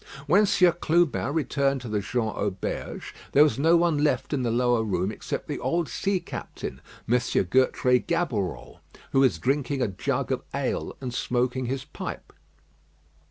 When Sieur Clubin returned to the Jean Auberge, there was no one left in the lower room except the old sea captain, M. Gertrais Gaboureau, who was drinking a jug of ale and smoking his pipe.